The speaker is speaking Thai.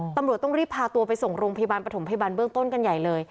ตำรวจต้องรีบพาตัวไปส่งโรงพยาบาลปฐมพยาบาลเบื้องต้นกันใหญ่เลย